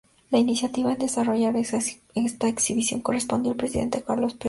La iniciativa de desarrollar esta exhibición correspondió al expresidente Carlos Pellegrini.